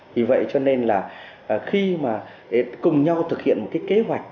vì vậy cho nên là khi mà cùng nhau thực hiện một cái kế hoạch